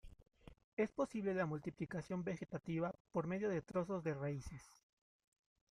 Es posible la multiplicación vegetativa por medio de trozos de raíces.